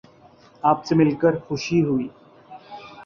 آپ سے مل کر خوشی ہوئی